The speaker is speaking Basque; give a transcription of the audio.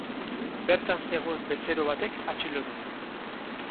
Bertan zegoen bezero batek atxilotu du.